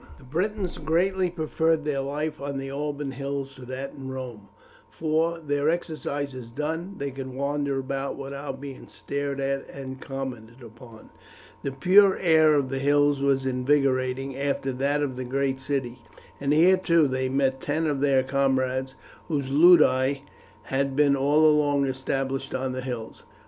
The Britons greatly preferred their life on the Alban Hills to that in Rome; for, their exercises done, they could wander about without being stared at and commented upon. The pure air of the hills was invigorating after that of the great city; and here, too, they met ten of their comrades whose ludi had been all along established on the hills.